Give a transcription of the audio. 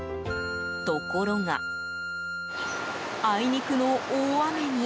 ところが、あいにくの大雨に。